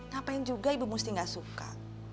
ngapain juga ibu mesti gak suka